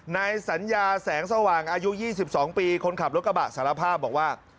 ในสัญญาแสงสว่างอายุยี่สิบสองปีคนขับรถกระบะสารภาพบอกว่า